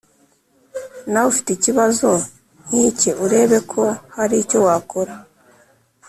nawe ufite ikibazo nk'icye urebe ko hari icyo wakora